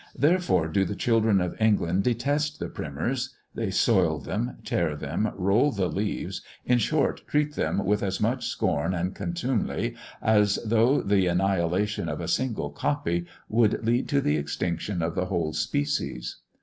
Therefore do the children of England detest the primers; they soil them, tear them, roll the leaves, in short treat them with as much scorn and contumely, as though the annihilation of a single copy would lead to the extinction of the whole species.